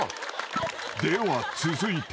［では続いて］